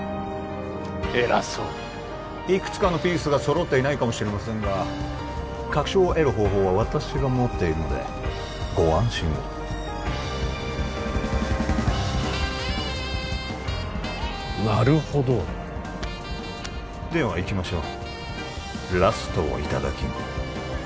偉そうにいくつかのピースがそろっていないかもしれませんが確証を得る方法は私が持っているのでご安心をなるほどではいきましょう